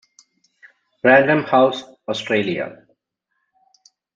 Random House Australia.